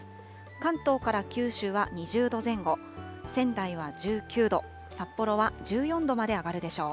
関東から九州は２０度前後、仙台は１９度、札幌は１４度まで上がるでしょう。